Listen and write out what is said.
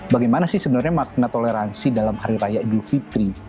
bagaimana sih sebenarnya makna toleransi dalam hari raya idul fitri